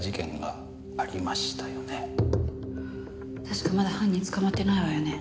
確かまだ犯人捕まってないわよね。